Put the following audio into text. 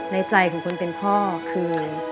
ในใจของคนเป็นพ่อคือ